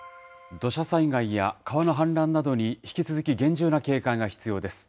土砂災害や川の氾濫などに、引き続き厳重な警戒が必要です。